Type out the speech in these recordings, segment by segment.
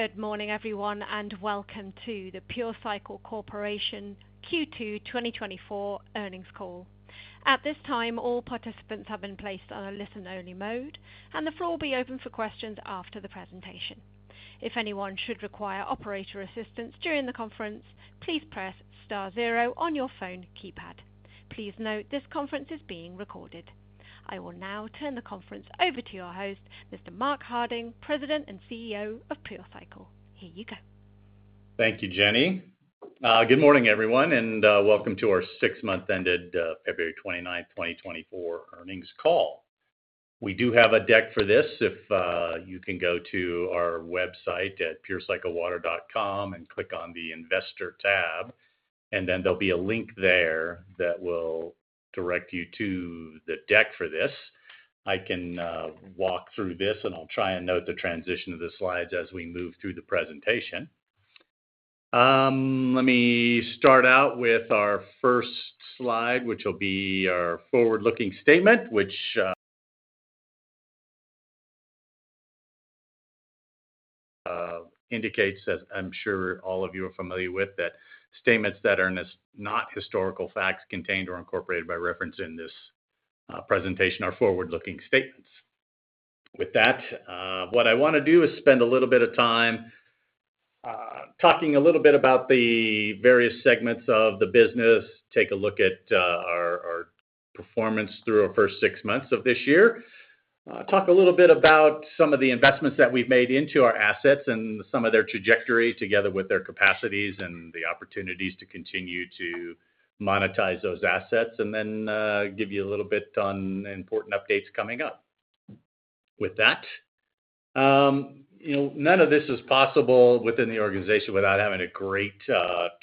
Good morning, everyone, and welcome to the Pure Cycle Corporation Q2 2024 earnings call. At this time, all participants have been placed on a listen-only mode, and the floor will be open for questions after the presentation. If anyone should require operator assistance during the conference, please press star 0 on your phone keypad. Please note this conference is being recorded. I will now turn the conference over to our host Mr. Mark Harding, President and CEO of Pure Cycle. Here you go. Thank you, Jenny. Good morning, everyone, and welcome to our six-month-ended February 29, 2024 earnings call. We do have a deck for this if you can go to our website at purecyclewater.com and click on the Investor tab, and then there'll be a link there that will direct you to the deck for this. I can walk through this, and I'll try and note the transition of the slides as we move through the presentation. Let me start out with our first slide, which will be our forward-looking statement, which indicates as I'm sure all of you are familiar with, that statements that are not historical facts contained or incorporated by reference in this presentation are forward-looking statements. With that, what I want to do is spend a little bit of time talking a little bit about the various segments of the business, take a look at our performance through our first six months of this year, talk a little bit about some of the investments that we've made into our assets and some of their trajectory together with their capacities and the opportunities to continue to monetize those assets, and then give you a little bit on important updates coming up. With that, none of this is possible within the organization without having a great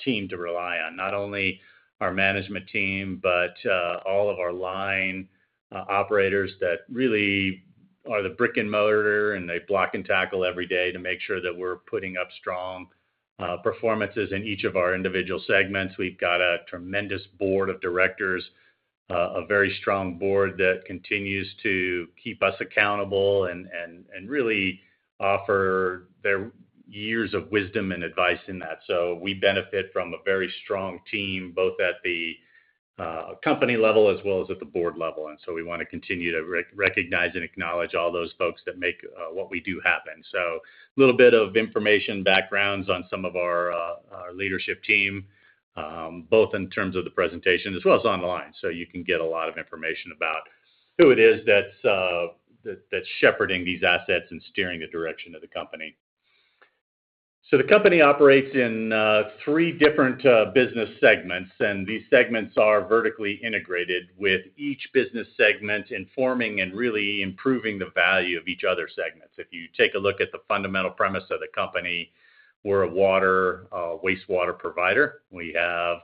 team to rely on, not only our management team but all of our line operators that really are the brick and mortar, and they block and tackle every day to make sure that we're putting up strong performances in each of our individual segments. We've got a tremendous board of directors, a very strong board that continues to keep us accountable and really offer their years of wisdom and advice in that. So we benefit from a very strong team both at the company level as well as at the board level, and so we want to continue to recognize and acknowledge all those folks that make what we do happen. So a little bit of information backgrounds on some of our leadership team, both in terms of the presentation as well as online, so you can get a lot of information about who it is that's shepherding these assets and steering the direction of the company. So the company operates in three different business segments, and these segments are vertically integrated with each business segment informing and really improving the value of each other's segments. If you take a look at the fundamental premise of the company, we're a wastewater provider. We have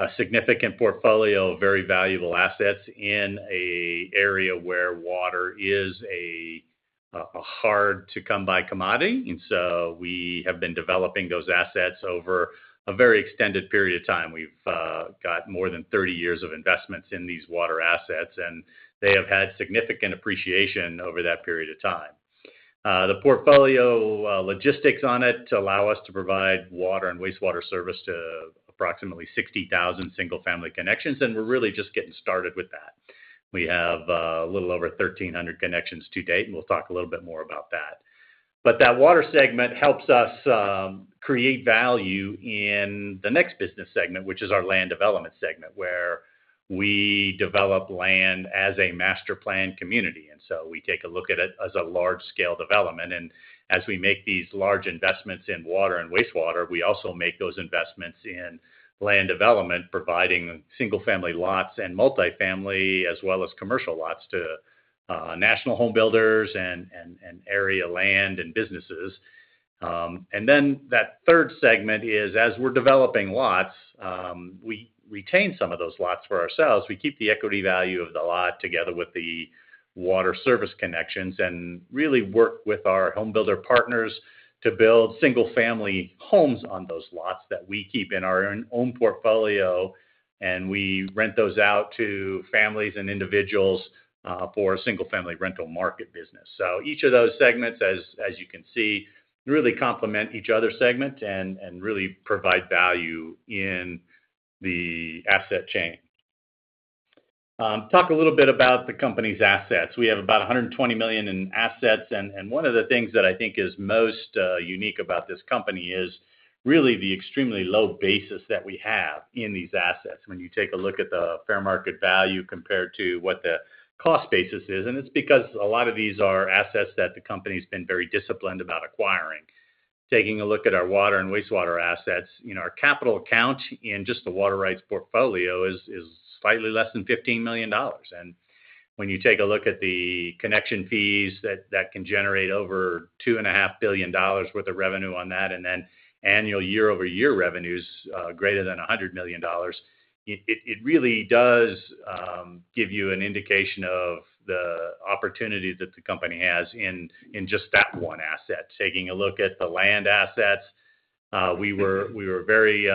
a significant portfolio of very valuable assets in an area where water is a hard-to-come-by commodity, and so we have been developing those assets over a very extended period of time. We've got more than 30 years of investments in these water assets, and they have had significant appreciation over that period of time. The portfolio logistics on it allow us to provide Water and Wastewater service to approximately 60,000 single-family connections, and we're really just getting started with that. We have a little over 1,300 connections to date, and we'll talk a little bit more about that. But that water segment helps us create value in the next business segment, which is our Land Development segment, where we develop land as a master-planned community. So we take a look at it as a large-scale development, and as we make these large investments in water and wastewater, we also make those investments in land development, providing single-family lots and multifamily as well as commercial lots to national home builders and area land and businesses. And then that third segment is, as we're developing lots, we retain some of those lots for ourselves. We keep the equity value of the lot together with the water service connections and really work with our home builder partners to build single-family homes on those lots that we keep in our own portfolio, and we rent those out to families and individuals for a single-family rental market business. So each of those segments, as you can see, really complement each other's segment and really provide value in the asset chain. Talk a little bit about the company's assets. We have about $120 million in assets, and one of the things that I think is most unique about this company is really the extremely low basis that we have in these assets. When you take a look at the fair market value compared to what the cost basis is, and it's because a lot of these are assets that the company's been very disciplined about acquiring. Taking a look at our Water and Wastewater assets, our capital account in just the water rights portfolio is slightly less than $15 million. And when you take a look at the connection fees that can generate over $2.5 billion worth of revenue on that, and then annual year-over-year revenues greater than $100 million, it really does give you an indication of the opportunity that the company has in just that one asset. Taking a look at the land assets, we were very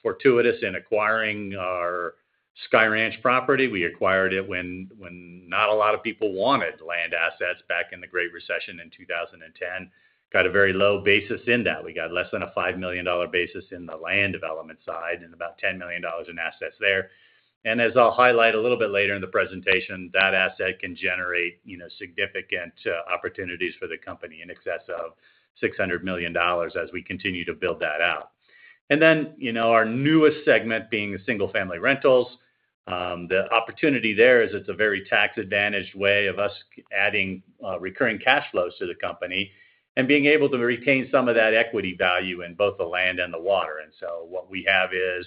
fortuitous in acquiring our Sky Ranch property. We acquired it when not a lot of people wanted land assets back in the Great Recession in 2010. Got a very low basis in that. We got less than a $5 million basis in the land development side and about $10 million in assets there. As I'll highlight a little bit later in the presentation, that asset can generate significant opportunities for the company in excess of $600 million as we continue to build that out. Then our newest segment being Single-Family Rentals. The opportunity there is it's a very tax-advantaged way of us adding recurring cash flows to the company and being able to retain some of that equity value in both the land and the water. And so what we have is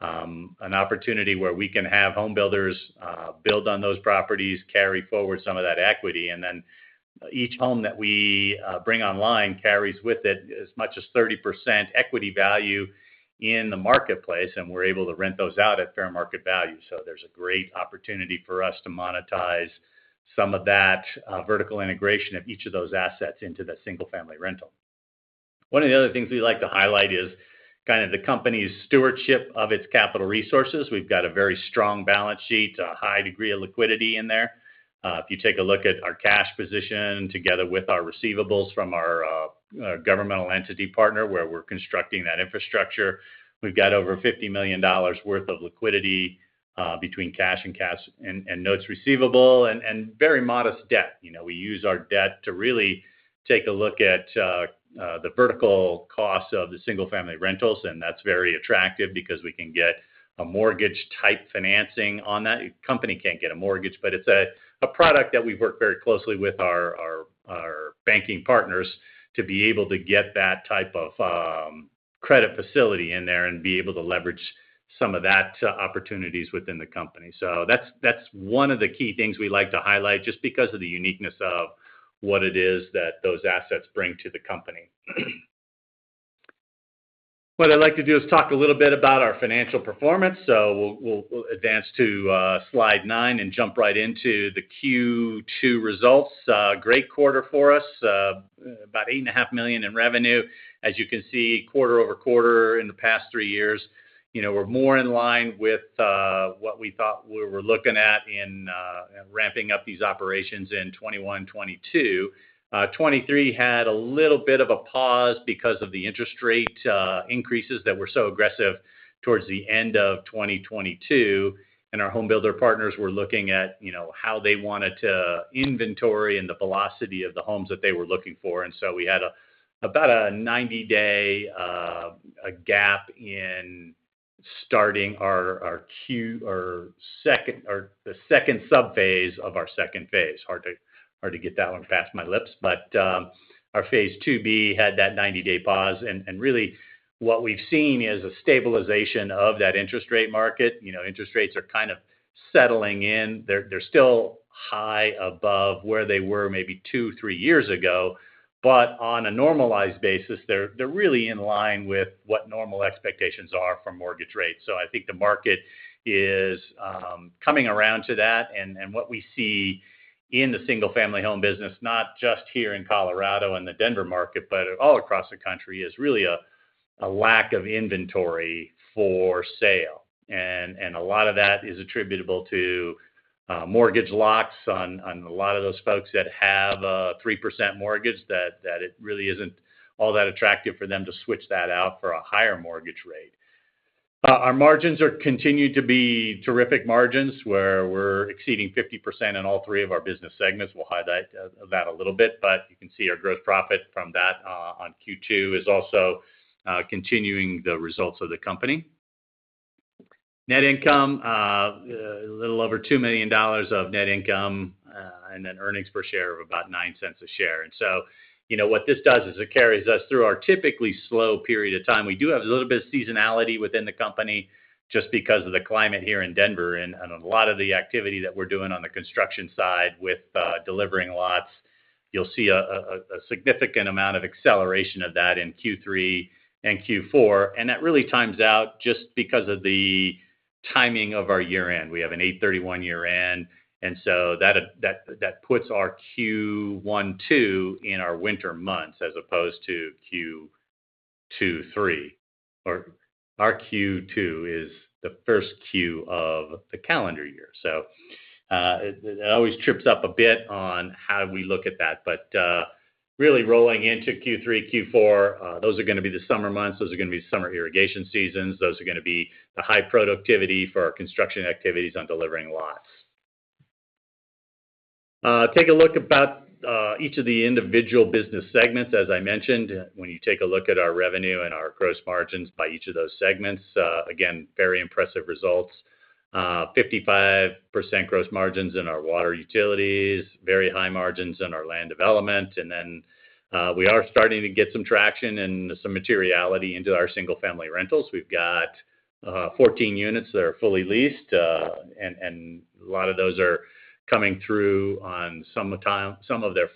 an opportunity where we can have home builders build on those properties, carry forward some of that equity, and then each home that we bring online carries with it as much as 30% equity value in the marketplace, and we're able to rent those out at fair market value. So there's a great opportunity for us to monetize some of that vertical integration of each of those assets into the single-family rental. One of the other things we like to highlight is kind of the company's stewardship of its capital resources. We've got a very strong balance sheet, a high degree of liquidity in there. If you take a look at our cash position together with our receivables from our governmental entity partner where we're constructing that infrastructure, we've got over $50 million worth of liquidity between cash and notes receivable and very modest debt. We use our debt to really take a look at the vertical costs of the single-family rentals, and that's very attractive because we can get a mortgage-type financing on that. The company can't get a mortgage, but it's a product that we've worked very closely with our banking partners to be able to get that type of credit facility in there and be able to leverage some of that opportunities within the company. So that's one of the key things we like to highlight just because of the uniqueness of what it is that those assets bring to the company. What I'd like to do is talk a little bit about our financial performance, so we'll advance to slide nine and jump right into the Q2 results. Great quarter for us, about $8.5 million in revenue. As you can see, quarter-over-quarter in the past three years, we're more in line with what we thought we were looking at in ramping up these operations in 2021-2022. 2023 had a little bit of a pause because of the interest rate increases that were so aggressive towards the end of 2022, and our home builder partners were looking at how they wanted to inventory and the velocity of the homes that they were looking for. And so we had about a 90-day gap in starting our second subphase of our second phase. Hard to get that one past my lips, but our phase 2B had that 90-day pause. Really, what we've seen is a stabilization of that interest rate market. Interest rates are kind of settling in. They're still high above where they were maybe two, three years ago, but on a normalized basis, they're really in line with what normal expectations are for mortgage rates. I think the market is coming around to that, and what we see in the single-family home business, not just here in Colorado and the Denver market but all across the country, is really a lack of inventory for sale. A lot of that is attributable to mortgage locks on a lot of those folks that have a 3% mortgage that it really isn't all that attractive for them to switch that out for a higher mortgage rate. Our margins continue to be terrific margins where we're exceeding 50% in all three of our business segments. We'll highlight that a little bit, but you can see our gross profit from that on Q2 is also continuing the results of the company. Net income, a little over $2 million of net income, and then earnings per share of about $0.09 a share. And so what this does is it carries us through our typically slow period of time. We do have a little bit of seasonality within the company just because of the climate here in Denver and a lot of the activity that we're doing on the construction side with delivering lots. You'll see a significant amount of acceleration of that in Q3 and Q4, and that really times out just because of the timing of our year-end. We have an August 31 year-end, and so that puts our Q1-2 in our winter months as opposed to Q2-3. Our Q2 is the first Q of the calendar year, so it always trips up a bit on how we look at that. But really, rolling into Q3, Q4, those are going to be the summer months. Those are going to be the summer irrigation seasons. Those are going to be the high productivity for our construction activities on delivering lots. Take a look at each of the individual business segments. As I mentioned, when you take a look at our revenue and our gross margins by each of those segments, again, very impressive results: 55% gross margins in our Water utilities, very high margins in our Land Development, and then we are starting to get some traction and some materiality into our Single-Family Rentals. We've got 14 units that are fully leased, and a lot of those are coming through on some of their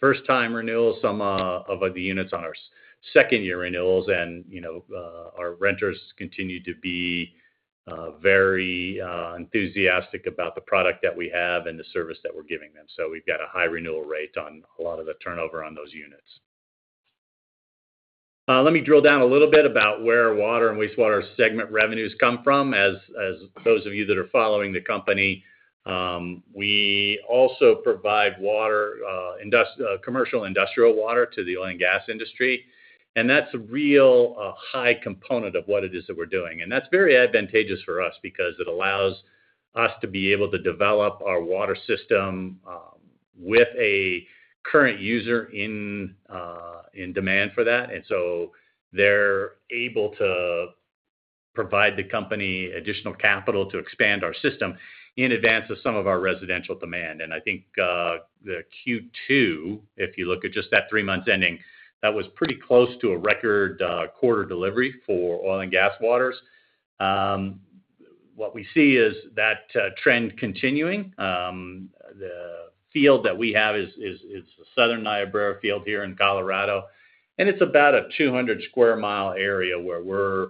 first-time renewals, some of the units on our second-year renewals, and our renters continue to be very enthusiastic about the product that we have and the service that we're giving them. So we've got a high renewal rate on a lot of the turnover on those units. Let me drill down a little bit about where water and wastewater segment revenues come from. As those of you that are following the company, we also provide commercial industrial water to the oil and gas industry, and that's a real high component of what it is that we're doing. That's very advantageous for us because it allows us to be able to develop our water system with a current user in demand for that, and so they're able to provide the company additional capital to expand our system in advance of some of our residential demand. And I think the Q2, if you look at just that three month ending, that was pretty close to a record quarter delivery for oil and gas waters. What we see is that trend continuing. The field that we have is the Southern Niobrara field here in Colorado, and it's about a 200-sq mi area where we're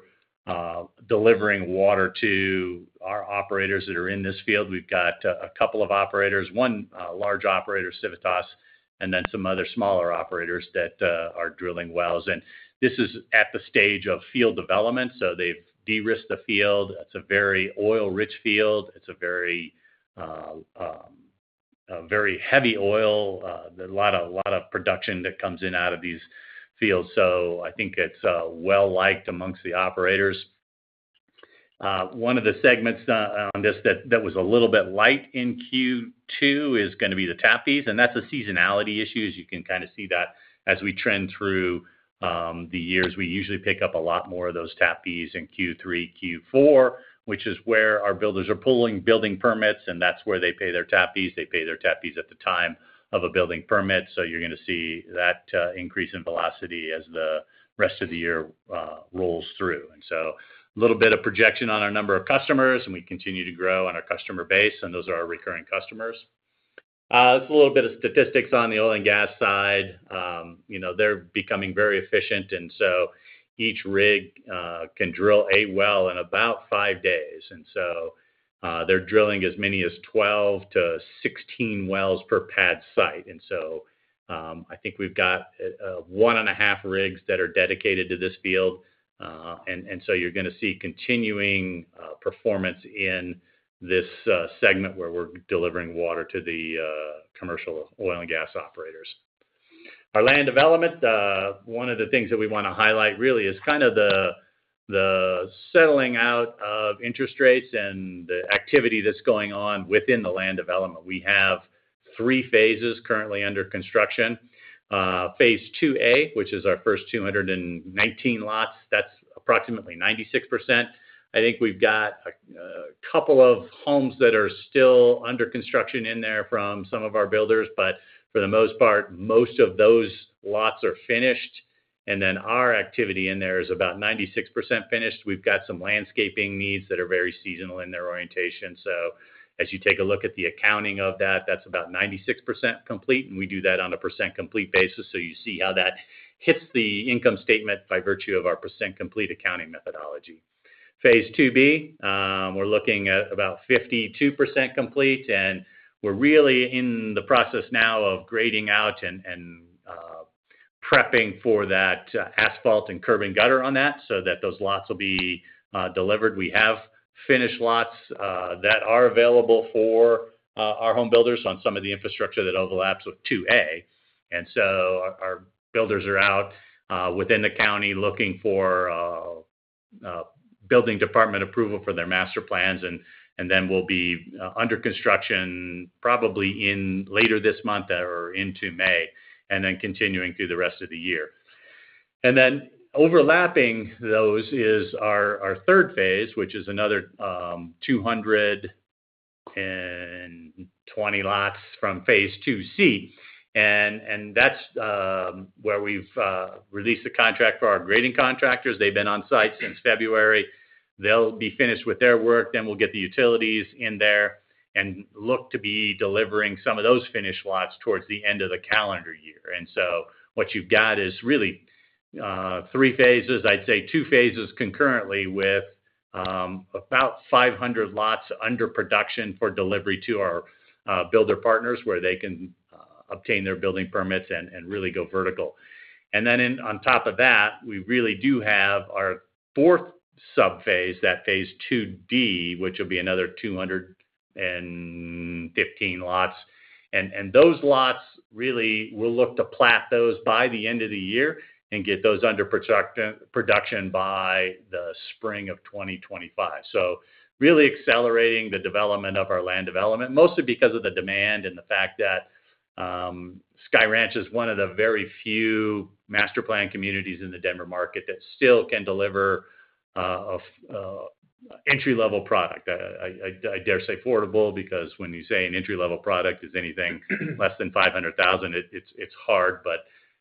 delivering water to our operators that are in this field. We've got a couple of operators, one large operator, Civitas, and then some other smaller operators that are drilling wells. And this is at the stage of field development, so they've de-risked the field. It's a very oil-rich field. It's a very heavy oil, a lot of production that comes in out of these fields, so I think it's well-liked amongst the operators. One of the segments on this that was a little bit light in Q2 is going to be the tap fees, and that's a seasonality issue. As you can kind of see that as we trend through the years, we usually pick up a lot more of those tap fees in Q3, Q4, which is where our builders are pulling building permits, and that's where they pay their tap fees. They pay their tap fees at the time of a building permit, so you're going to see that increase in velocity as the rest of the year rolls through. And so, a little bit of projection on our number of customers, and we continue to grow on our customer base, and those are our recurring customers. It's a little bit of statistics on the oil and gas side. They're becoming very efficient, and so each rig can drill a well in about five days. And so they're drilling as many as 12-16 wells per pad site. And so I think we've got 1.5 rigs that are dedicated to this field, and so you're going to see continuing performance in this segment where we're delivering water to the commercial oil and gas operators. Our Land Development, one of the things that we want to highlight really is kind of the settling out of interest rates and the activity that's going on within the land development. We have three phases currently under construction. Phase 2A, which is our first 219 lots, that's approximately 96%. I think we've got a couple of homes that are still under construction in there from some of our builders, but for the most part, most of those lots are finished, and then our activity in there is about 96% finished. We've got some landscaping needs that are very seasonal in their orientation, so as you take a look at the accounting of that, that's about 96% complete, and we do that on a percent-complete basis, so you see how that hits the income statement by virtue of our percent-complete accounting methodology. Phase 2B, we're looking at about 52% complete, and we're really in the process now of grading out and prepping for that asphalt and curb and gutter on that so that those lots will be delivered. We have finished lots that are available for our home builders on some of the infrastructure that overlaps with 2A, and so our builders are out within the county looking for building department approval for their master plans, and then we'll be under construction probably later this month or into May and then continuing through the rest of the year. And then overlapping those is our third phase, which is another 220 lots from Phase 2C, and that's where we've released the contract for our grading contractors. They've been on site since February. They'll be finished with their work, then we'll get the utilities in there and look to be delivering some of those finished lots towards the end of the calendar year. And so what you've got is really three phases, I'd say two phases concurrently with about 500 lots under production for delivery to our builder partners where they can obtain their building permits and really go vertical. And then on top of that, we really do have our fourth subphase, that Phase 2D, which will be another 215 lots, and those lots really we'll look to plat those by the end of the year and get those under production by the spring of 2025. So really accelerating the development of our Land Development, mostly because of the demand and the fact that Sky Ranch is one of the very few master plan communities in the Denver market that still can deliver an entry-level product. I dare say affordable because when you say an entry-level product is anything less than $500,000, it's hard,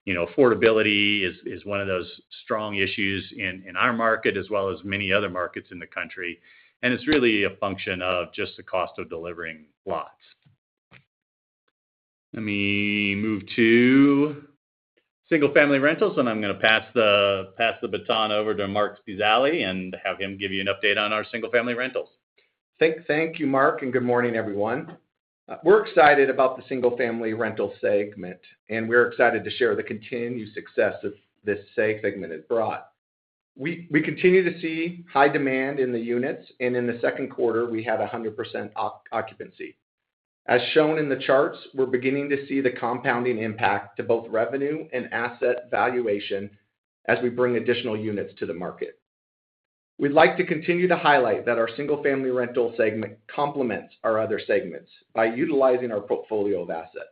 but affordability is one of those strong issues in our market as well as many other markets in the country, and it's really a function of just the cost of delivering lots. Let me move to Single-Family Rentals, and I'm going to pass the baton over to Marc Spezialy and have him give you an update on our Single-Family Rentals. Thank you, Mark, and good morning, everyone. We're excited about the Single-Family Rental segment, and we're excited to share the continued success that this segment has brought. We continue to see high demand in the units, and in the second quarter, we had 100% occupancy. As shown in the charts, we're beginning to see the compounding impact to both revenue and asset valuation as we bring additional units to the market. We'd like to continue to highlight that our Single-Family Rental segment complements our other segments by utilizing our portfolio of assets.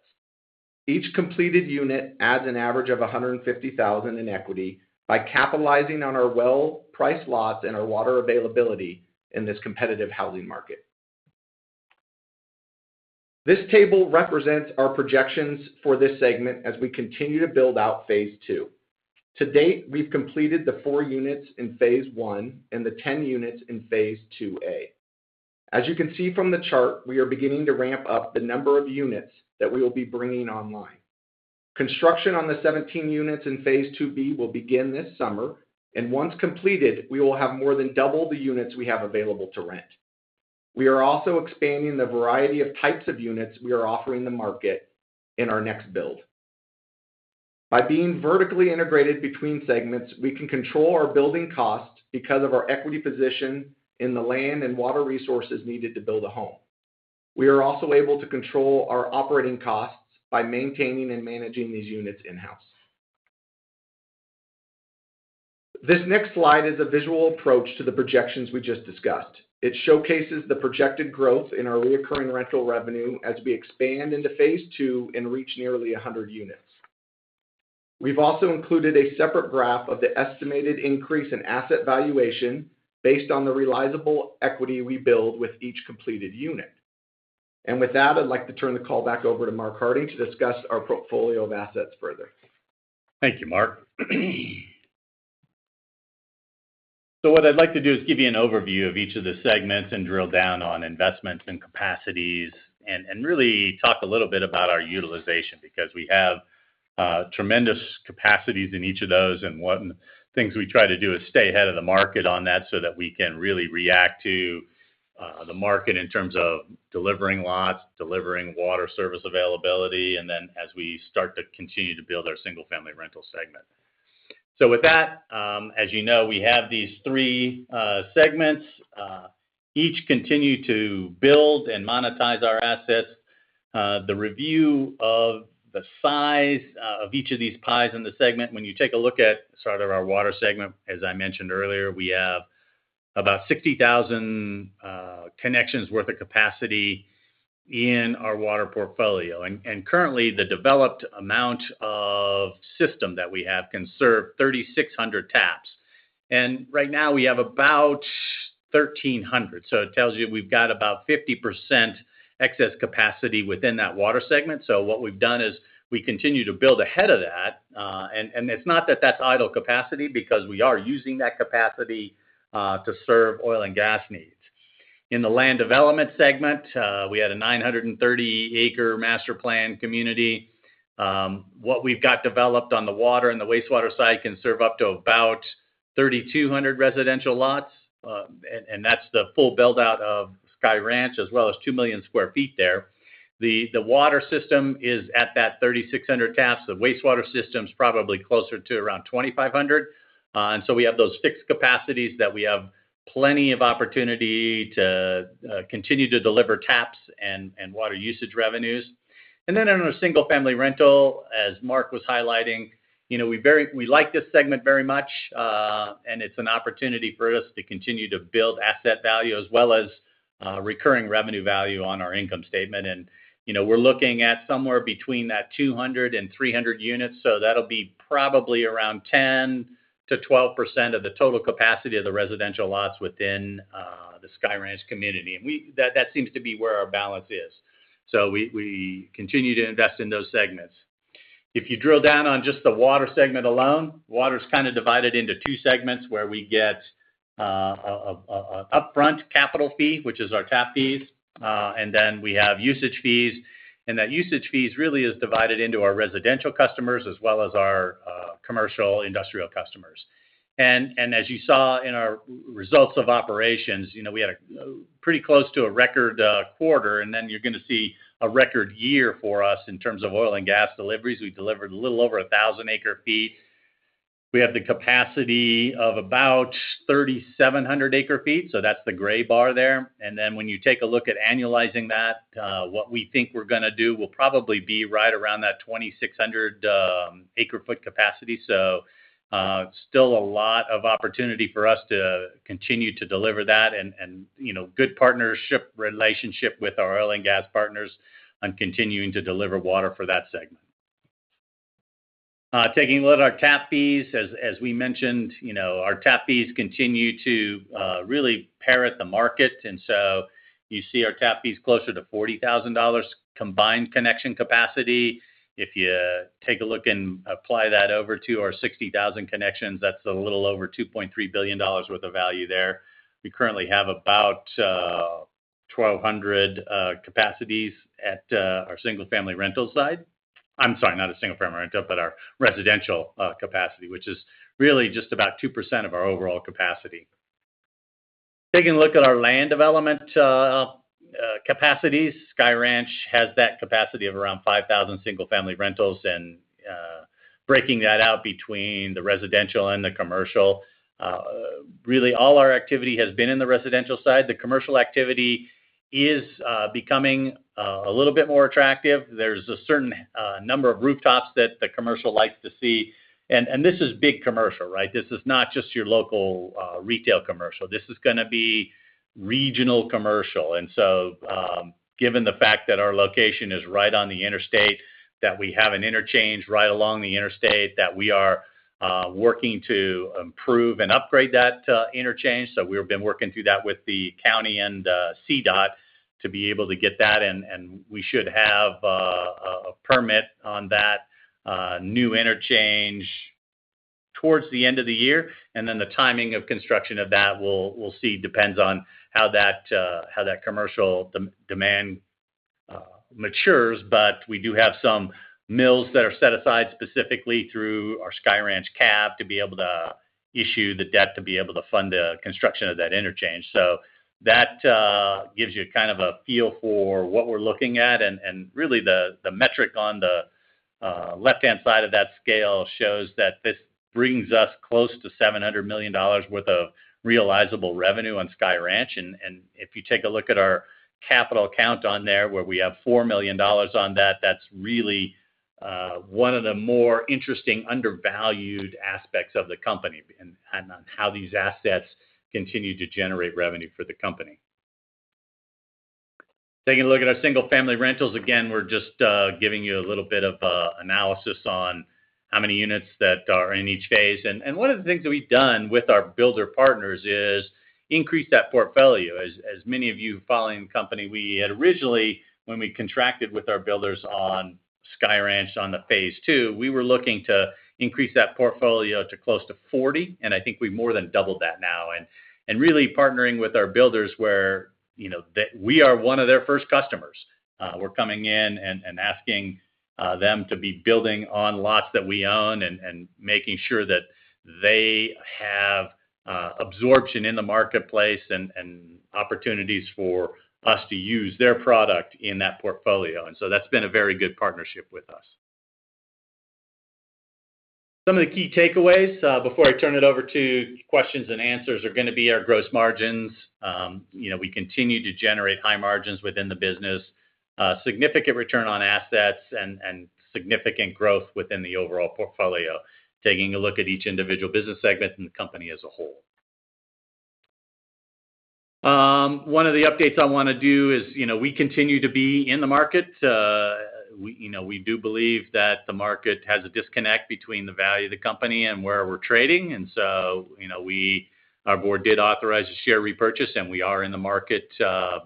Each completed unit adds an average of $150,000 in equity by capitalizing on our well-priced lots and our water availability in this competitive housing market. This table represents our projections for this segment as we continue to build out Phase 2. To date, we've completed the four units in Phase 1 and the 10 units in Phase 2A. As you can see from the chart, we are beginning to ramp up the number of units that we will be bringing online. Construction on the 17 units in Phase 2B will begin this summer, and once completed, we will have more than double the units we have available to rent. We are also expanding the variety of types of units we are offering the market in our next build. By being vertically integrated between segments, we can control our building costs because of our equity position in the land and water resources needed to build a home. We are also able to control our operating costs by maintaining and managing these units in-house. This next slide is a visual approach to the projections we just discussed. It showcases the projected growth in our recurring rental revenue as we expand into Phase 2 and reach nearly 100 units. We've also included a separate graph of the estimated increase in asset valuation based on the reliable equity we build with each completed unit. With that, I'd like to turn the call back over to Mark Harding to discuss our portfolio of assets further. Thank you, Marc. So what I'd like to do is give you an overview of each of the segments and drill down on investments and capacities and really talk a little bit about our utilization because we have tremendous capacities in each of those, and one of the things we try to do is stay ahead of the market on that so that we can really react to the market in terms of delivering lots, delivering water service availability, and then as we start to continue to build our single-family rental segment. So with that, as you know, we have these three segments, each continue to build and monetize our assets. The review of the size of each of these pies in the segment, when you take a look at sort of our Water segment, as I mentioned earlier, we have about 60,000 connections' worth of capacity in our water portfolio. Currently, the developed amount of system that we have conserved 3,600 taps, and right now, we have about 1,300. So it tells you we've got about 50% excess capacity within that water segment. So what we've done is we continue to build ahead of that, and it's not that that's idle capacity because we are using that capacity to serve oil and gas needs. In the land development segment, we had a 930-acre master plan community. What we've got developed on the water and the wastewater side can serve up to about 3,200 residential lots, and that's the full build-out of Sky Ranch as well as 2 million sq ft there. The water system is at that 3,600 taps. The wastewater system's probably closer to around 2,500, and so we have those fixed capacities that we have plenty of opportunity to continue to deliver taps and water usage revenues. And then on our single-family rental, as Marc was highlighting, we like this segment very much, and it's an opportunity for us to continue to build asset value as well as recurring revenue value on our income statement. And we're looking at somewhere between 200-300 units, so that'll be probably around 10%-12% of the total capacity of the residential lots within the Sky Ranch community, and that seems to be where our balance is. So we continue to invest in those segments. If you drill down on just the water segment alone, water's kind of divided into two segments where we get an upfront capital fee, which is our tap fees, and then we have usage fees, and that usage fee really is divided into our residential customers as well as our commercial industrial customers. As you saw in our results of operations, we had pretty close to a record quarter, and then you're going to see a record year for us in terms of oil and gas deliveries. We delivered a little over 1,000 acre-feet. We have the capacity of about 3,700 acre-feet, so that's the gray bar there. And then when you take a look at annualizing that, what we think we're going to do will probably be right around that 2,600-acre-foot capacity, so still a lot of opportunity for us to continue to deliver that and good partnership relationship with our oil and gas partners on continuing to deliver water for that segment. Taking a look at our tap fees, as we mentioned, our tap fees continue to really parrot the market, and so you see our tap fees closer to $40,000 combined connection capacity. If you take a look and apply that over to our 60,000 connections, that's a little over $2.3 billion worth of value there. We currently have about 1,200 capacities at our Single-Family Rental side. I'm sorry, not a Single-Family Rental, but our residential capacity, which is really just about 2% of our overall capacity. Taking a look at our Land Development Capacities, Sky Ranch has that capacity of around 5,000 Single-Family Rentals, and breaking that out between the residential and the commercial, really all our activity has been in the residential side. The commercial activity is becoming a little bit more attractive. There's a certain number of rooftops that the commercial likes to see, and this is big commercial, right? This is not just your local retail commercial. This is going to be regional commercial, and so given the fact that our location is right on the interstate, that we have an interchange right along the interstate, that we are working to improve and upgrade that interchange, so we've been working through that with the county and CDOT to be able to get that, and we should have a permit on that new interchange towards the end of the year, and then the timing of construction of that, we'll see, depends on how that commercial demand matures, but we do have some mills that are set aside specifically through our Sky Ranch CAB to be able to issue the debt to be able to fund the construction of that interchange. So that gives you kind of a feel for what we're looking at, and really the metric on the left-hand side of that scale shows that this brings us close to $700 million worth of realizable revenue on Sky Ranch, and if you take a look at our capital account on there where we have $4 million on that, that's really one of the more interesting undervalued aspects of the company and on how these assets continue to generate revenue for the company. Taking a look at our Single-Family Rentals, again, we're just giving you a little bit of analysis on how many units that are in each phase, and one of the things that we've done with our builder partners is increase that portfolio. As many of you following the company, we had originally, when we contracted with our builders on Sky Ranch on Phase 2, we were looking to increase that portfolio to close to 40, and I think we've more than doubled that now, and really partnering with our builders where we are one of their first customers. We're coming in and asking them to be building on lots that we own and making sure that they have absorption in the marketplace and opportunities for us to use their product in that portfolio, and so that's been a very good partnership with us. Some of the key takeaways before I turn it over to questions and answers are going to be our gross margins. We continue to generate high margins within the business, significant return on assets, and significant growth within the overall portfolio, taking a look at each individual business segment and the company as a whole. One of the updates I want to do is we continue to be in the market. We do believe that the market has a disconnect between the value of the company and where we're trading, and so our board did authorize a share repurchase, and we are in the market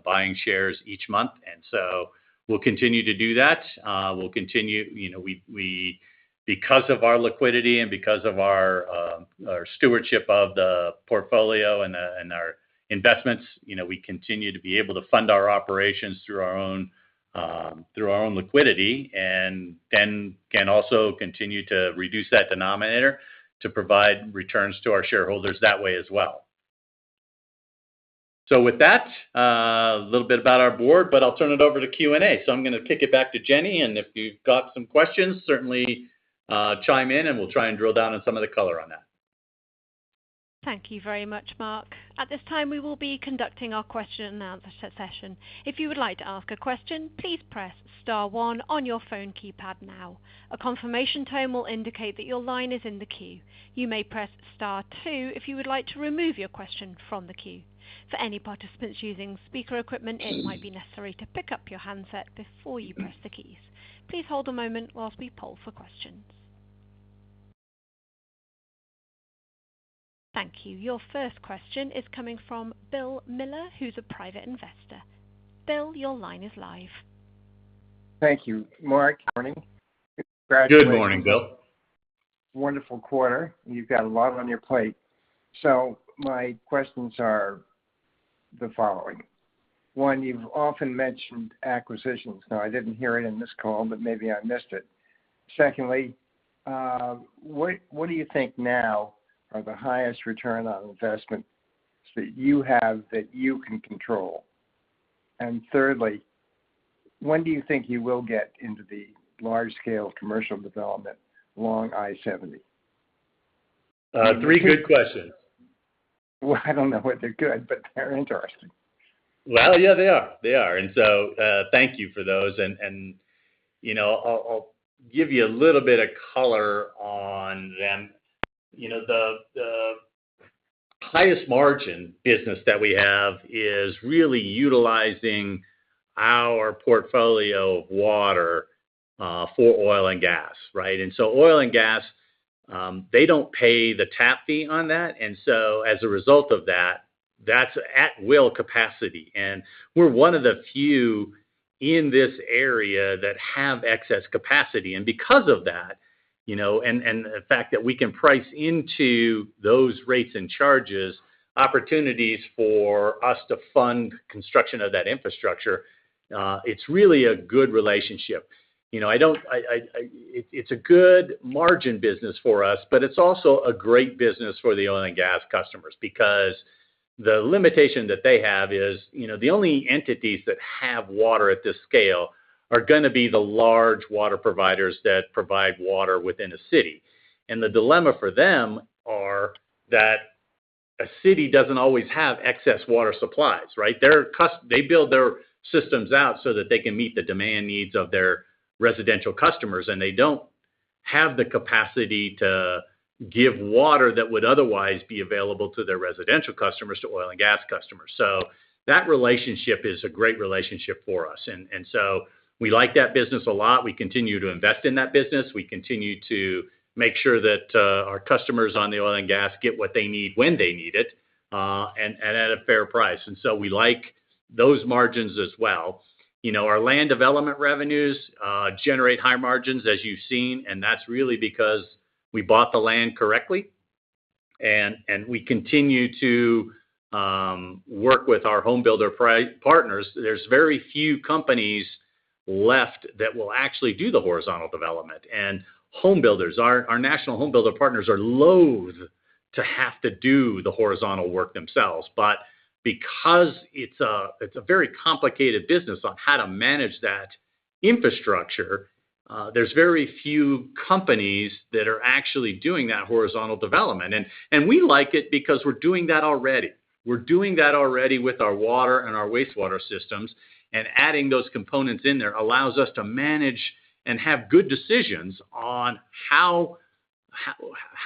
buying shares each month, and so we'll continue to do that. We'll continue because of our liquidity and because of our stewardship of the portfolio and our investments, we continue to be able to fund our operations through our own liquidity and then can also continue to reduce that denominator to provide returns to our shareholders that way as well. So with that, a little bit about our board, but I'll turn it over to Q&A, so I'm going to kick it back to Jenny, and if you've got some questions, certainly chime in, and we'll try and drill down on some of the color on that. Thank you very much, Mark. At this time, we will be conducting our question-and-answer session. If you would like to ask a question, please press star one on your phone keypad now. A confirmation tone will indicate that your line is in the queue. You may press star two if you would like to remove your question from the queue. For any participants using speaker equipment, it might be necessary to pick up your handset before you press the keys. Please hold a moment while we poll for questions. Thank you. Your first question is coming from Bill Miller, who's a private investor. Bill, your line is live. Thank you, Mark. Morning. Good morning, Bill. Wonderful quarter. You've got a lot on your plate. So my questions are the following. One, you've often mentioned acquisitions. Now, I didn't hear it in this call, but maybe I missed it. Secondly, what do you think now are the highest return on investments that you have that you can control? And thirdly, when do you think you will get into the large-scale commercial development along I-70? Three good questions. Well, I don't know what they're good, but they're interesting. Well, yeah, they are. They are, and so thank you for those, and I'll give you a little bit of color on them. The highest margin business that we have is really utilizing our portfolio of Water for oil and gas, right? And so Oil and Gas, they don't pay the tap fee on that, and so as a result of that, that's at-will capacity, and we're one of the few in this area that have excess capacity, and because of that and the fact that we can price into those rates and charges opportunities for us to fund construction of that infrastructure, it's really a good relationship. It's a good margin business for us, but it's also a great business for the oil and gas customers because the limitation that they have is the only entities that have water at this scale are going to be the large water providers that provide water within a city, and the dilemma for them are that a city doesn't always have excess water supplies, right? They build their systems out so that they can meet the demand needs of their residential customers, and they don't have the capacity to give water that would otherwise be available to their residential customers, to Oil and Gas customers. So that relationship is a great relationship for us, and so we like that business a lot. We continue to invest in that business. We continue to make sure that our customers on the Oil and Gas get what they need when they need it and at a fair price, and so we like those margins as well. Our Land Development revenues generate high margins, as you've seen, and that's really because we bought the land correctly, and we continue to work with our homebuilder partners. There's very few companies left that will actually do the horizontal development, and homebuilders, our national homebuilder partners, are loath to have to do the horizontal work themselves, but because it's a very complicated business on how to manage that infrastructure, there's very few companies that are actually doing that horizontal development, and we like it because we're doing that already. We're doing that already with our Water and our Wastewater systems, and adding those components in there allows us to manage and have good decisions on how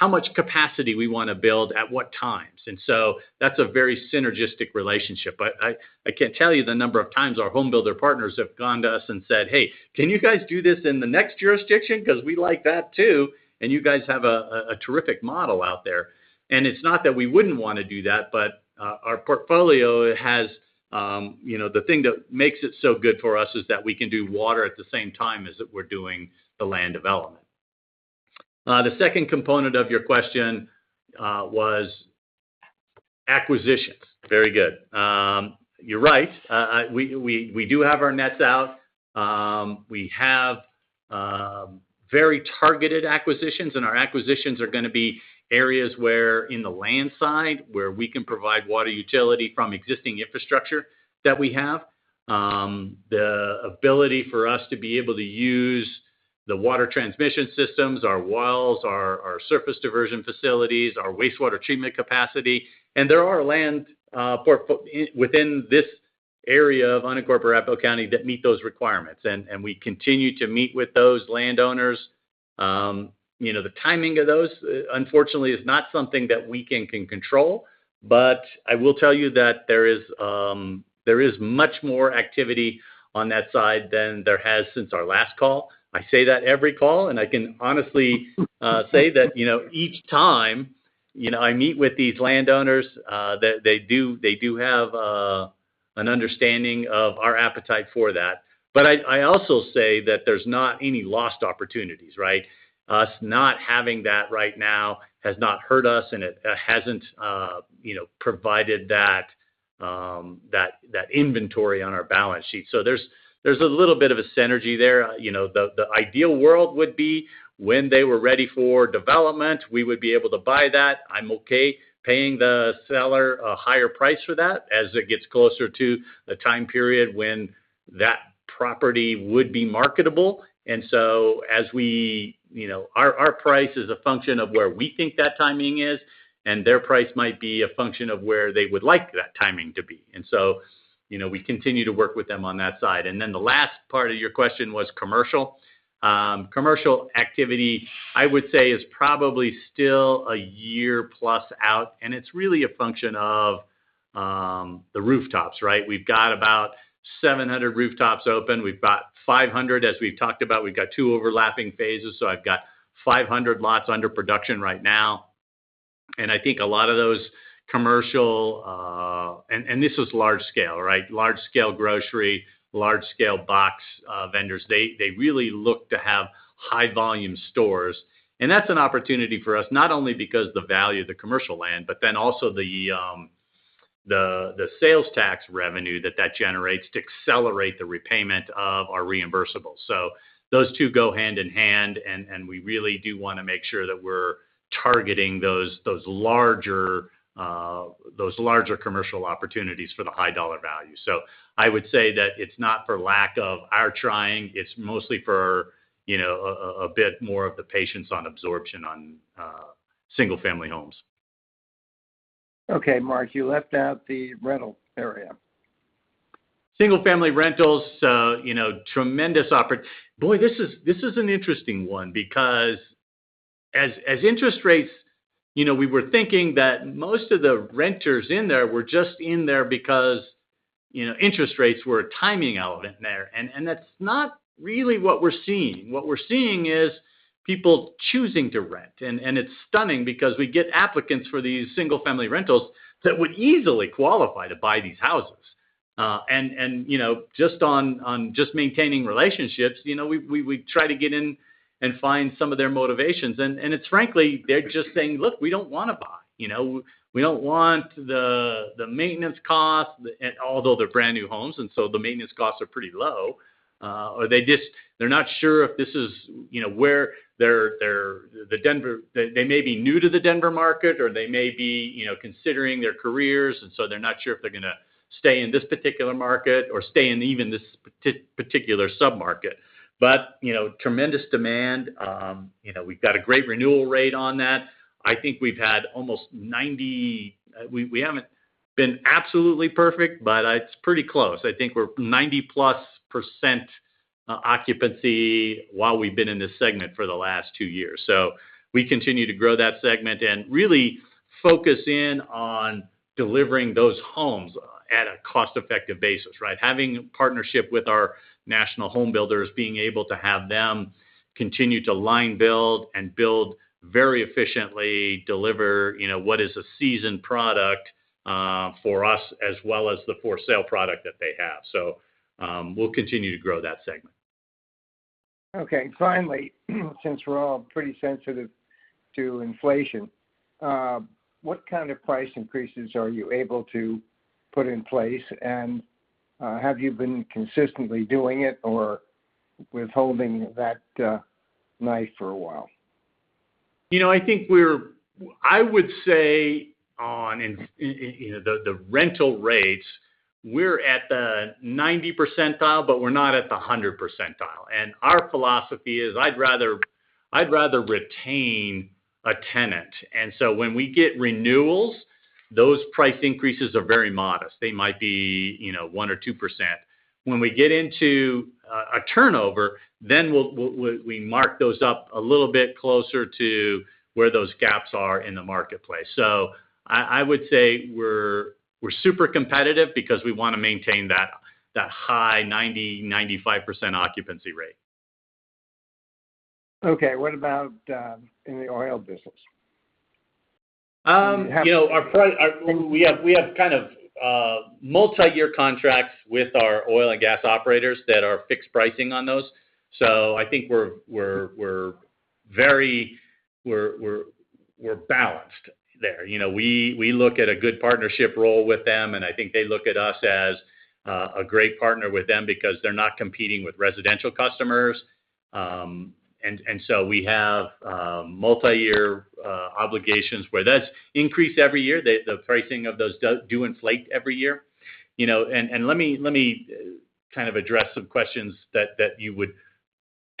much capacity we want to build at what times, and so that's a very synergistic relationship. I can't tell you the number of times our homebuilder partners have gone to us and said, "Hey, can you guys do this in the next jurisdiction? Because we like that too, and you guys have a terrific model out there." And it's not that we wouldn't want to do that, but our portfolio has the thing that makes it so good for us is that we can do water at the same time as we're doing the land development. The second component of your question was acquisitions. Very good. You're right. We do have our nets out. We have very targeted acquisitions, and our acquisitions are going to be areas where in the land side where we can provide water utility from existing infrastructure that we have, the ability for us to be able to use the water transmission systems, our wells, our surface diversion facilities, our wastewater treatment capacity, and there are land within this area of Unincorporated Arapahoe County that meet those requirements, and we continue to meet with those landowners. The timing of those, unfortunately, is not something that we can control, but I will tell you that there is much more activity on that side than there has since our last call. I say that every call, and I can honestly say that each time I meet with these landowners, they do have an understanding of our appetite for that, but I also say that there's not any lost opportunities, right? Us not having that right now has not hurt us, and it hasn't provided that inventory on our balance sheet, so there's a little bit of a synergy there. The ideal world would be when they were ready for development, we would be able to buy that. I'm okay paying the seller a higher price for that as it gets closer to the time period when that property would be marketable, and so as we our price is a function of where we think that timing is, and their price might be a function of where they would like that timing to be, and so we continue to work with them on that side. And then the last part of your question was commercial. Commercial activity, I would say, is probably still a year-plus out, and it's really a function of the rooftops, right? We've got about 700 rooftops open. We've got 500, as we've talked about. We've got two overlapping phases, so I've got 500 lots under production right now, and I think a lot of those commercial and this is large-scale, right? Large-scale grocery, large-scale box vendors, they really look to have high-volume stores, and that's an opportunity for us not only because of the value of the commercial land, but then also the sales tax revenue that that generates to accelerate the repayment of our reimbursables. So those two go hand in hand, and we really do want to make sure that we're targeting those larger commercial opportunities for the high dollar value. So I would say that it's not for lack of our trying. It's mostly for a bit more of the patience on absorption on single-family homes. Okay, Mark. You left out the rental area. Single-Family Rentals, so tremendous - this is an interesting one because as interest rates, we were thinking that most of the renters in there were just in there because interest rates were a timing element there, and that's not really what we're seeing. What we're seeing is people choosing to rent, and it's stunning because we get applicants for these single-family rentals that would easily qualify to buy these houses, and just on just maintaining relationships, we try to get in and find some of their motivations, and it's frankly, they're just saying, "Look, we don't want to buy. We don't want the maintenance costs," although they're brand new homes, and so the maintenance costs are pretty low, or they're not sure if this is where they're they may be new to the Denver market, or they may be considering their careers, and so they're not sure if they're going to stay in this particular market or stay in even this particular submarket, but tremendous demand. We've got a great renewal rate on that. I think we've had almost 90%. We haven't been absolutely perfect, but it's pretty close. I think we're 90+% occupancy while we've been in this segment for the last two years, so we continue to grow that segment and really focus in on delivering those homes at a cost-effective basis, right? Having a partnership with our national homebuilders, being able to have them continue to line build and build very efficiently, deliver what is a seasoned product for us as well as the for-sale product that they have, so we'll continue to grow that segment. Okay. Finally, since we're all pretty sensitive to inflation, what kind of price increases are you able to put in place, and have you been consistently doing it or withholding that knife for a while? I think we're, I would say on the rental rates, we're at the 90th percentile, but we're not at the 100th percentile, and our philosophy is I'd rather retain a tenant, and so when we get renewals, those price increases are very modest. They might be 1% or 2%. When we get into a turnover, then we'll mark those up a little bit closer to where those gaps are in the marketplace, so I would say we're super competitive because we want to maintain that high 90%, 95% occupancy rate. Okay. What about in the oil business? We have kind of multi-year contracts with our oil and gas operators that are fixed pricing on those, so I think we're very balanced there. We look at a good partnership role with them, and I think they look at us as a great partner with them because they're not competing with residential customers, and so we have multi-year obligations where that's increased every year. The pricing of those do inflate every year, and let me kind of address some questions that you would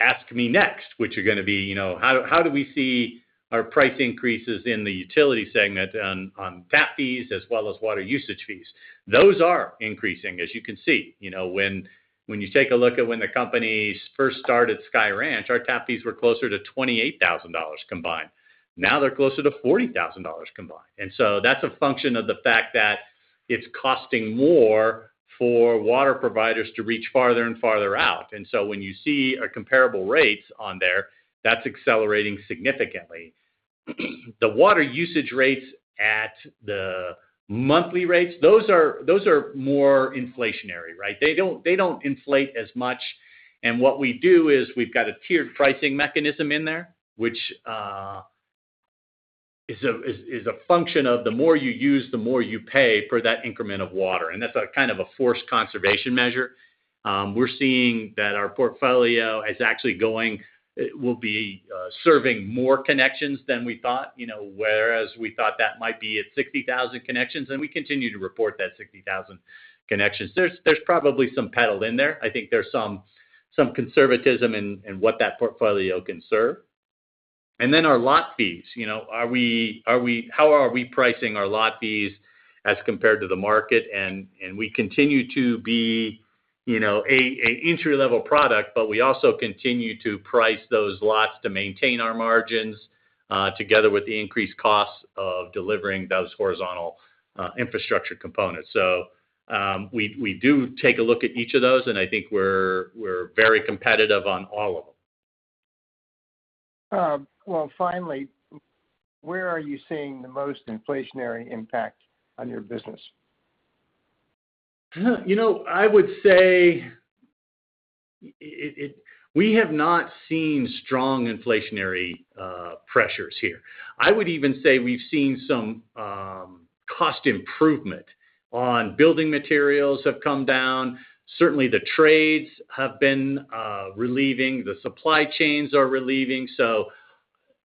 ask me next, which are going to be how do we see our price increases in the utility segment on tap fees as well as water usage fees? Those are increasing, as you can see. When you take a look at when the company first started Sky Ranch, our tap fees were closer to $28,000 combined. Now they're closer to $40,000 combined, and so that's a function of the fact that it's costing more for water providers to reach farther and farther out, and so when you see comparable rates on there, that's accelerating significantly. The water usage rates at the monthly rates, those are more inflationary, right? They don't inflate as much, and what we do is we've got a tiered pricing mechanism in there, which is a function of the more you use, the more you pay for that increment of water, and that's kind of a forced conservation measure. We're seeing that our portfolio is actually going will be serving more connections than we thought, whereas we thought that might be at 60,000 connections, and we continue to report that 60,000 connections. There's probably some padding in there. I think there's some conservatism in what that portfolio can serve. And then our lot fees, how are we pricing our lot fees as compared to the market? And we continue to be an entry-level product, but we also continue to price those lots to maintain our margins together with the increased costs of delivering those horizontal infrastructure components, so we do take a look at each of those, and I think we're very competitive on all of them. Well, finally, where are you seeing the most inflationary impact on your business? I would say we have not seen strong inflationary pressures here. I would even say we've seen some cost improvement on building materials have come down. Certainly, the trades have been relieving. The supply chains are relieving, so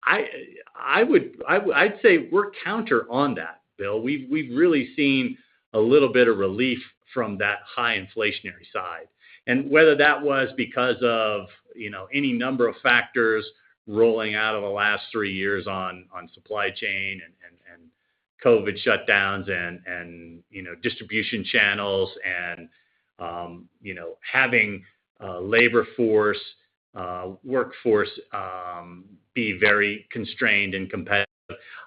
I'd say we're counter on that, Bill. We've really seen a little bit of relief from that high inflationary side, and whether that was because of any number of factors rolling out of the last three years on supply chain and COVID shutdowns and distribution channels and having labor force, workforce be very constrained and competitive.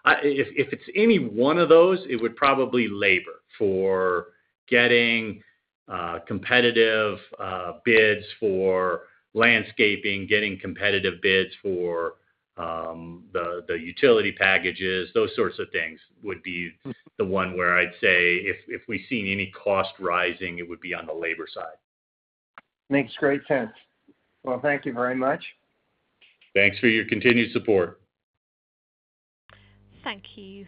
If it's any one of those, it would probably labor for getting competitive bids for landscaping, getting competitive bids for the utility packages. Those sorts of things would be the one where I'd say if we've seen any cost rising, it would be on the labor side. Makes great sense. Well, thank you very much. Thanks for your continued support. Thank you.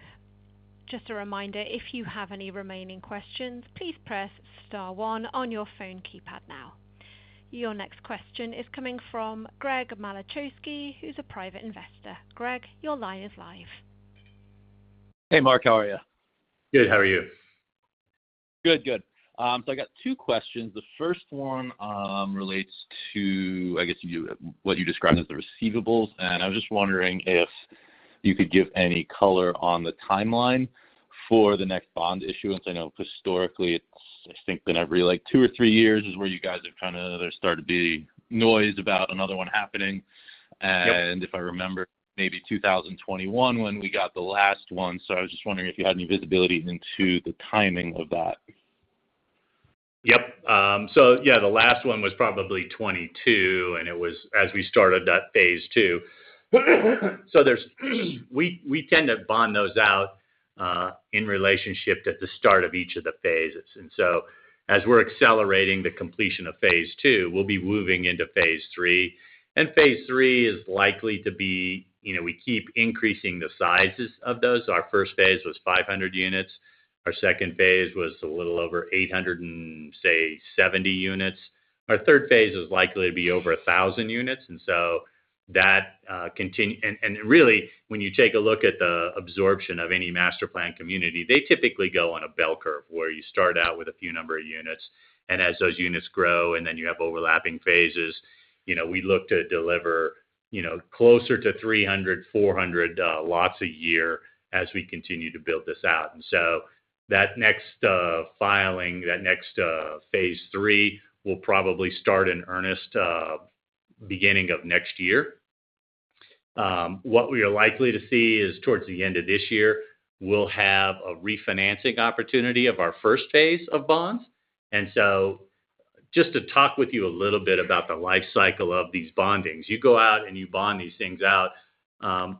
Just a reminder, if you have any remaining questions, please press star one on your phone keypad now. Your next question is coming from Greg Malachowski, who's a private investor. Greg, your line is live. Hey, Mark. How are you? Good. How are you? Good, good. So I've got two questions. The first one relates to, I guess, what you described as the receivables, and I was just wondering if you could give any color on the timeline for the next bond issuance. I know historically, it's, I think, been every two or three years is where you guys have kind of there's started to be noise about another one happening, and if I remember, maybe 2021 when we got the last one, so I was just wondering if you had any visibility into the timing of that. Yep. So yeah, the last one was probably 2022, and it was as we started that phase two. So we tend to bond those out in relationship at the start of each of the phases, and so as we're accelerating the completion of phase two, we'll be moving into phase three, and phase three is likely to be we keep increasing the sizes of those. Our first phase was 500 units. Our second phase was a little over 800 and, say, 70 units. Our third phase is likely to be over 1,000 units, and so that and really, when you take a look at the absorption of any master plan community, they typically go on a bell curve where you start out with a few number of units, and as those units grow and then you have overlapping phases, we look to deliver closer to 300-400 lots a year as we continue to build this out, and so that next filing, that next phase three will probably start in earnest beginning of next year. What we are likely to see is towards the end of this year, we'll have a refinancing opportunity of our first phase of bonds, and so just to talk with you a little bit about the life cycle of these bonds. You go out and you bond these things out.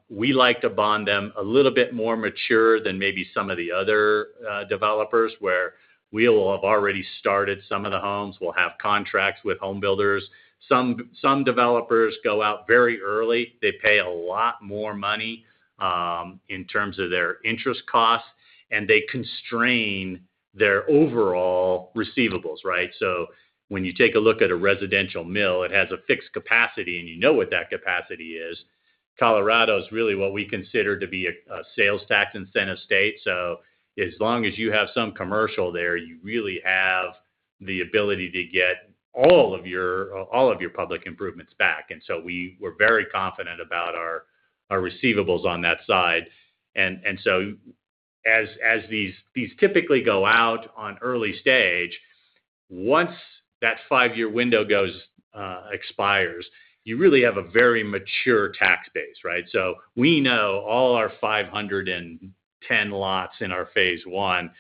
We like to bond them a little bit more mature than maybe some of the other developers where we'll have already started some of the homes. We'll have contracts with homebuilders. Some developers go out very early. They pay a lot more money in terms of their interest costs, and they constrain their overall receivables, right? So when you take a look at a residential mill, it has a fixed capacity, and you know what that capacity is. Colorado is really what we consider to be a sales tax incentive state, so as long as you have some commercial there, you really have the ability to get all of your public improvements back, and so we're very confident about our receivables on that side, and so as these typically go out on early stage, once that five-year window expires, you really have a very mature tax base, right? So we know all our 510 lots in our phase one,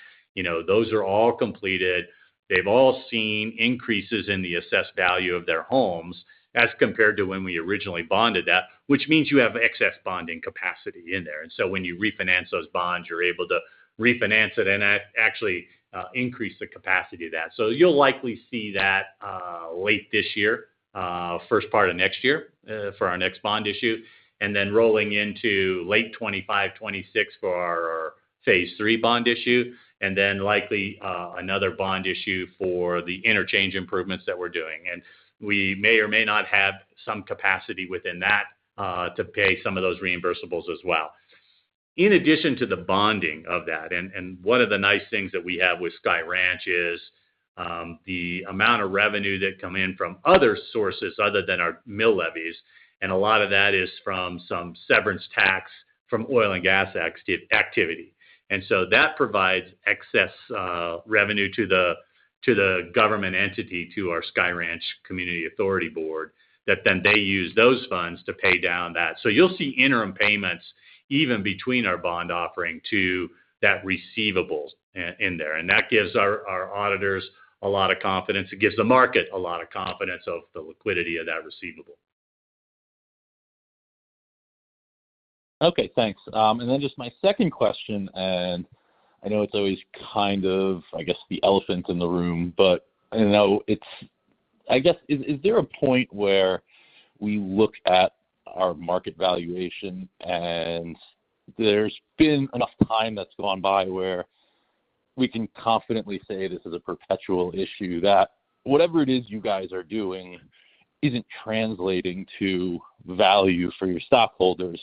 those are all completed. They've all seen increases in the assessed value of their homes as compared to when we originally bonded that, which means you have excess bonding capacity in there, and so when you refinance those bonds, you're able to refinance it and actually increase the capacity of that. So you'll likely see that late this year, first part of next year for our next bond issue, and then rolling into late 2025, 2026 for our phase three bond issue, and then likely another bond issue for the interchange improvements that we're doing, and we may or may not have some capacity within that to pay some of those reimbursables as well. In addition to the bonding of that, and one of the nice things that we have with Sky Ranch is the amount of revenue that come in from other sources other than our mill levies, and a lot of that is from some severance tax from oil and gas activity, and so that provides excess revenue to the government entity, to our Sky Ranch Community Authority Board, that then they use those funds to pay down that. So you'll see interim payments even between our bond offering to that receivable in there, and that gives our auditors a lot of confidence. It gives the market a lot of confidence of the liquidity of that receivable. Okay. Thanks. And then just my second question, and I know it's always kind of, I guess, the elephant in the room, but I know it's I guess, is there a point where we look at our market valuation, and there's been enough time that's gone by where we can confidently say this is a perpetual issue, that whatever it is you guys are doing isn't translating to value for your stockholders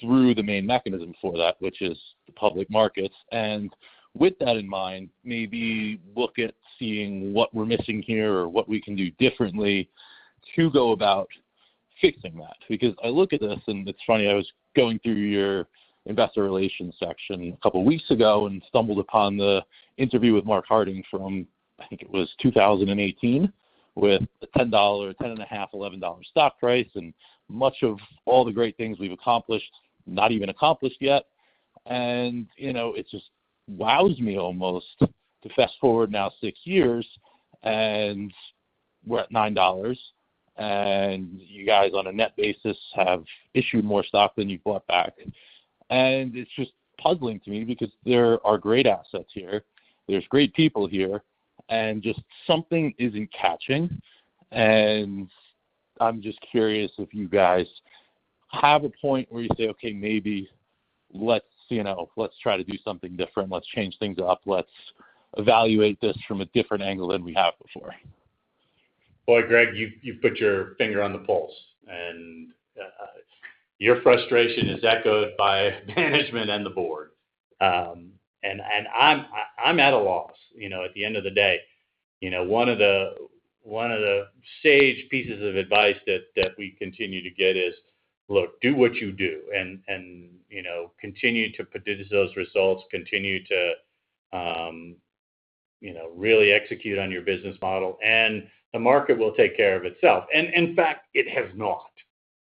through the main mechanism for that, which is the public markets, and with that in mind, maybe look at seeing what we're missing here or what we can do differently to go about fixing that? Because I look at this, and it's funny, I was going through your investor relations section a couple of weeks ago and stumbled upon the interview with Mark Harding from, I think it was 2018, with a $10, $10.5, $11 stock price, and much of all the great things we've accomplished, not even accomplished yet, and it just wows me almost to fast forward now six years, and we're at $9, and you guys on a net basis have issued more stock than you've bought back, and it's just puzzling to me because there are great assets here. There's great people here, and just something isn't catching, and I'm just curious if you guys have a point where you say, "Okay. Maybe let's try to do something different. Let's change things up. Let's evaluate this from a different angle than we have before." Well, Greg, you've put your finger on the pulse, and your frustration is echoed by management and the board, and I'm at a loss. At the end of the day, one of the sage pieces of advice that we continue to get is, "Look, do what you do, and continue to produce those results. Continue to really execute on your business model, and the market will take care of itself." And in fact, it has not,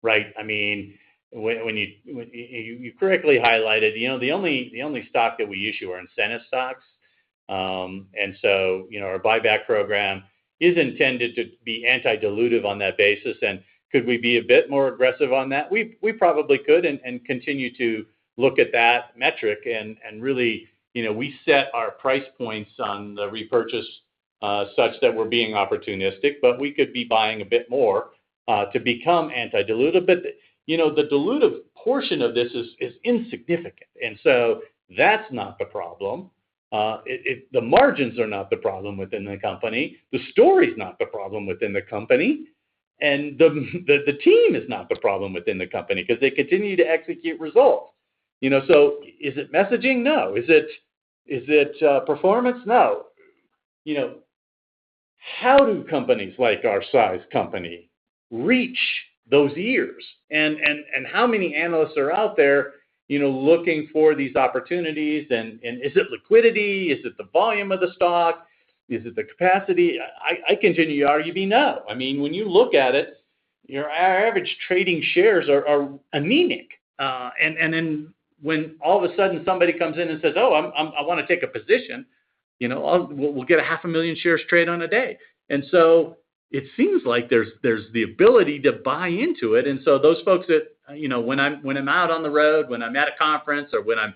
right? I mean, you correctly highlighted, the only stock that we issue are incentive stocks, and so our buyback program is intended to be anti-dilutive on that basis, and could we be a bit more aggressive on that? We probably could and continue to look at that metric, and really, we set our price points on the repurchase such that we're being opportunistic, but we could be buying a bit more to become anti-dilutive, but the dilutive portion of this is insignificant, and so that's not the problem. The margins are not the problem within the company. The story's not the problem within the company, and the team is not the problem within the company because they continue to execute results. So is it messaging? No. Is it performance? No. How do companies like our size company reach those ears, and how many analysts are out there looking for these opportunities, and is it liquidity? Is it the volume of the stock? Is it the capacity? I continue to argue, "Be no." I mean, when you look at it, our average trading shares are anemic, and then when all of a sudden somebody comes in and says, "Oh, I want to take a position," we'll get 500,000 shares traded on a day, and so it seems like there's the ability to buy into it, and so those folks that when I'm out on the road, when I'm at a conference, or when I'm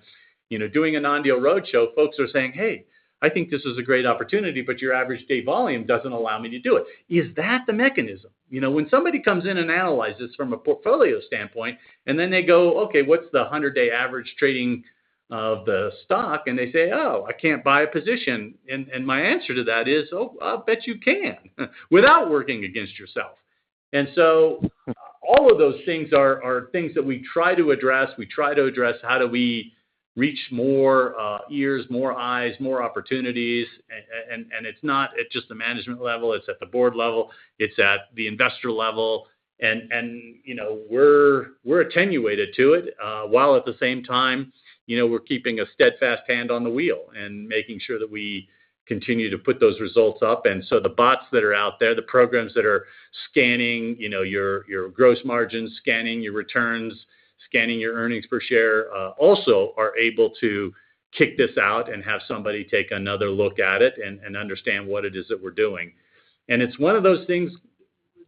doing a non-deal roadshow, folks are saying, "Hey, I think this is a great opportunity, but your average day volume doesn't allow me to do it." Is that the mechanism? When somebody comes in and analyzes from a portfolio standpoint, and then they go, "Okay. What's the 100-day average trading of the stock?" and they say, "Oh, I can't buy a position," and my answer to that is, "Oh, I bet you can," without working against yourself, and so all of those things are things that we try to address. We try to address how do we reach more ears, more eyes, more opportunities, and it's not at just the management level. It's at the board level. It's at the investor level, and we're attenuated to it while at the same time, we're keeping a steadfast hand on the wheel and making sure that we continue to put those results up, and so the bots that are out there, the programs that are scanning your gross margins, scanning your returns, scanning your earnings per share, also are able to kick this out and have somebody take another look at it and understand what it is that we're doing, and it's one of those things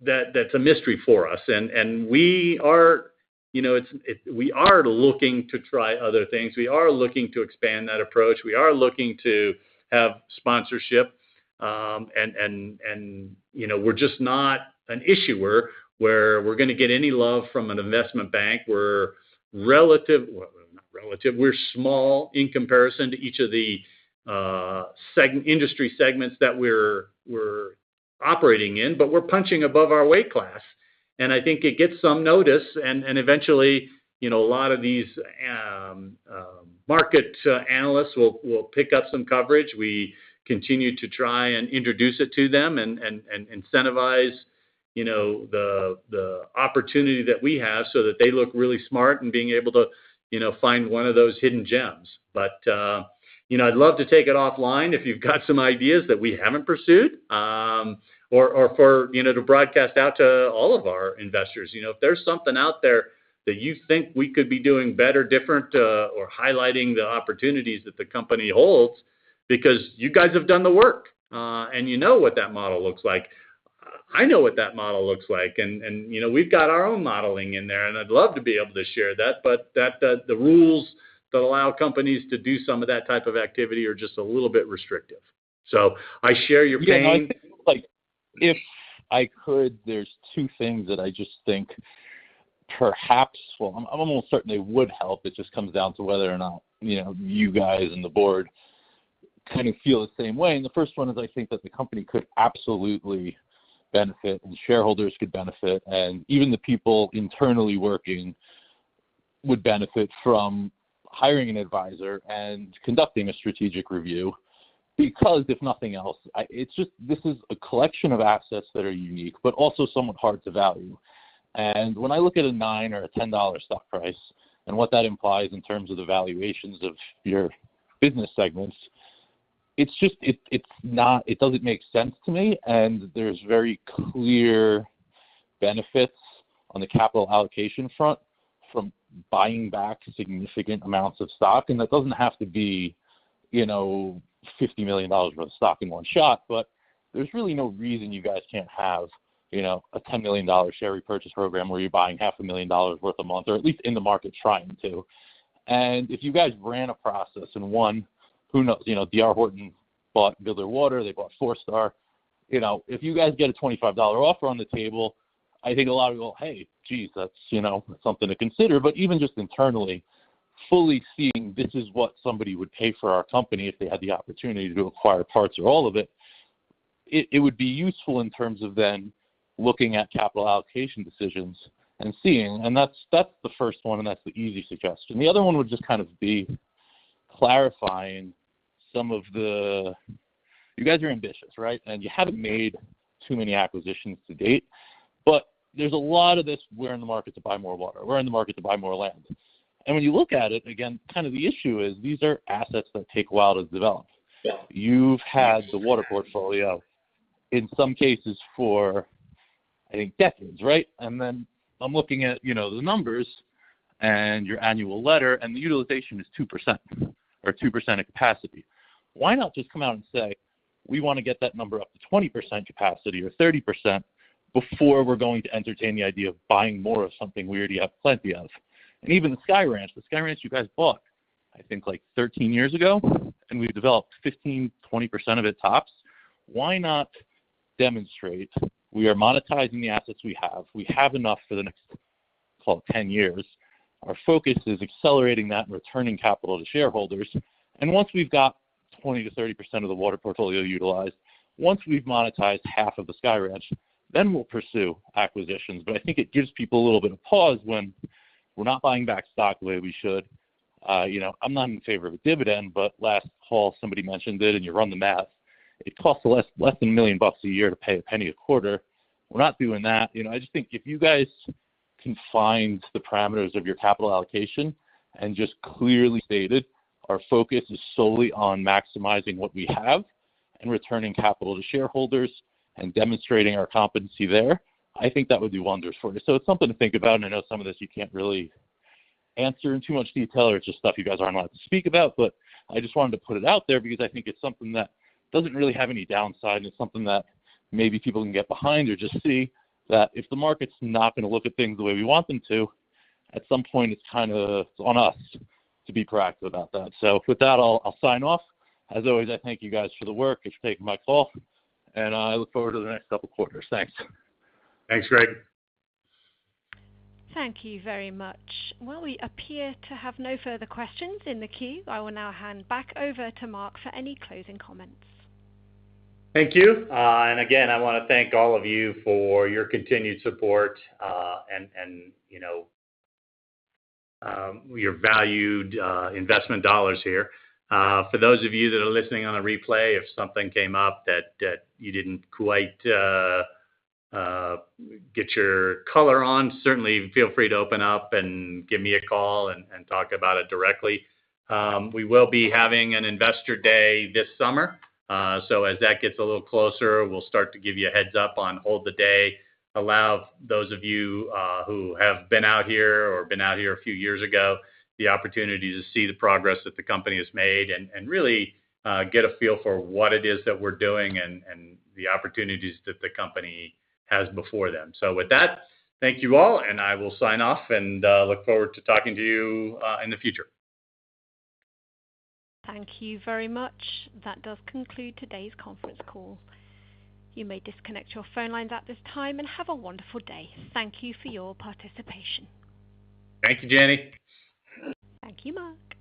that's a mystery for us, and we are looking to try other things. We are looking to expand that approach. We are looking to have sponsorship, and we're just not an issuer where we're going to get any love from an investment bank. We're relative not relative. We're small in comparison to each of the industry segments that we're operating in, but we're punching above our weight class, and I think it gets some notice, and eventually, a lot of these market analysts will pick up some coverage. We continue to try and introduce it to them and incentivize the opportunity that we have so that they look really smart and being able to find one of those hidden gems, but I'd love to take it offline if you've got some ideas that we haven't pursued or for to broadcast out to all of our investors. If there's something out there that you think we could be doing better, different, or highlighting the opportunities that the company holds because you guys have done the work, and you know what that model looks like. I know what that model looks like, and we've got our own modeling in there, and I'd love to be able to share that, but the rules that allow companies to do some of that type of activity are just a little bit restrictive, so I share your pain. Yeah. No, I think if I could, there's two things that I just think perhaps well, I'm almost certain they would help. It just comes down to whether or not you guys and the board kind of feel the same way, and the first one is I think that the company could absolutely benefit, and shareholders could benefit, and even the people internally working would benefit from hiring an advisor and conducting a strategic review because if nothing else, this is a collection of assets that are unique but also somewhat hard to value, and when I look at a $9 or a $10 stock price and what that implies in terms of the valuations of your business segments, it doesn't make sense to me. And there's very clear benefits on the capital allocation front from buying back significant amounts of stock, and that doesn't have to be $50 million worth of stock in one shot, but there's really no reason you guys can't have a $10 million share repurchase program where you're buying $500,000 worth a month or at least in the market trying to, and if you guys ran a process and, one, who knows, D.R. Horton bought Vidler Water. They bought Forestar. If you guys get a $25 offer on the table, I think a lot of people, "Hey, jeez, that's something to consider," but even just internally fully seeing this is what somebody would pay for our company if they had the opportunity to acquire parts or all of it, it would be useful in terms of then looking at capital allocation decisions and seeing, and that's the first one, and that's the easy suggestion. The other one would just kind of be clarifying some of the you guys are ambitious, right, and you haven't made too many acquisitions to date, but there's a lot of this, "We're in the market to buy more water. We're in the market to buy more land," and when you look at it, again, kind of the issue is these are assets that take a while to develop. You've had the water portfolio in some cases for, I think, decades, right, and then I'm looking at the numbers and your annual letter, and the utilization is 2% or so of capacity. Why not just come out and say, "We want to get that number up to 20% capacity or 30% before we're going to entertain the idea of buying more of something we already have plenty of?" And even the Sky Ranch, the Sky Ranch you guys bought, I think, 13 years ago, and we've developed 15%-20% of it tops. Why not demonstrate we are monetizing the assets we have. We have enough for the next, call it, 10 years. Our focus is accelerating that and returning capital to shareholders, and once we've got 20%-30% of the water portfolio utilized, once we've monetized half of the Sky Ranch, then we'll pursue acquisitions, but I think it gives people a little bit of pause when we're not buying back stock the way we should. I'm not in favor of a dividend, but last fall, somebody mentioned it, and you run the math. It costs less than $1 million a year to pay $0.01 a quarter. We're not doing that. I just think if you guys can find the parameters of your capital allocation and just clearly stated our focus is solely on maximizing what we have and returning capital to shareholders and demonstrating our competency there, I think that would do wonders for you, so it's something to think about, and I know some of this you can't really answer in too much detail, or it's just stuff you guys aren't allowed to speak about, but I just wanted to put it out there because I think it's something that doesn't really have any downside, and it's something that maybe people can get behind or just see that if the market's not going to look at things the way we want them to, at some point, it's kind of on us to be proactive about that, so with that, I'll sign off. As always, I thank you guys for the work. Thanks for taking my call, and I look forward to the next couple of quarters. Thanks. Thanks, Greg. Thank you very much. Well, we appear to have no further questions in the queue. I will now hand back over to Mark for any closing comments. Thank you, and again, I want to thank all of you for your continued support and your valued investment dollars here. For those of you that are listening on a replay, if something came up that you didn't quite get your color on, certainly feel free to open up and give me a call and talk about it directly. We will be having an Investor Day this summer, so as that gets a little closer, we'll start to give you a heads up on hold the date. Allow those of you who have been out here or been out here a few years ago the opportunity to see the progress that the company has made and really get a feel for what it is that we're doing and the opportunities that the company has before them, so with that, thank you all, and I will sign off and look forward to talking to you in the future. Thank you very much. That does conclude today's conference call. You may disconnect your phone lines at this time and have a wonderful day. Thank you for your participation. Thank you, Jenny. Thank you, Mark.